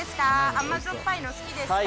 甘じょっぱいの好きですか？